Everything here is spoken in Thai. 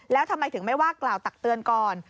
แล้วทำไมถึงไม่ว่ากล่าวตักเตือนก่อน